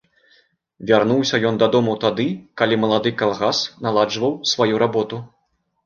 Вярнуўся ён дадому тады, калі малады калгас наладжваў сваю работу.